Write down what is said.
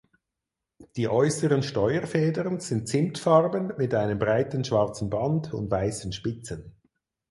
Die äußeren Steuerfedern sind zimtfarben mit einem breiten schwarzen Band und weißen Spitzen.